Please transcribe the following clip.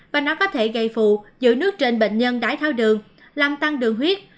và nó có thể gây phụ giữ nước trên bệnh nhân đái thao đường làm tăng đường huyết